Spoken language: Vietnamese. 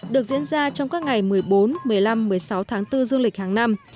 được diễn ra trong các ngày một mươi bốn một mươi năm một mươi sáu tháng bốn dương lịch hàng năm